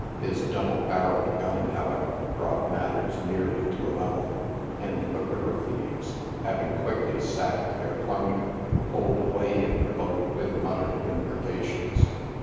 His double barreled gun, however, brought matters nearly to a level, and the river thieves, having quickly sacked their plun der, pulled away in their boat, with muttered imprecations.